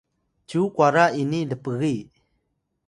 cyu kwara ini lpgiy